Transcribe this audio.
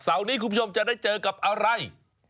นี้คุณผู้ชมจะได้เจอกับอะไร